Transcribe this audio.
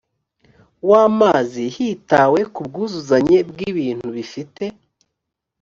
w amazi hitawe ku bwuzuzanye bw ibintu bifite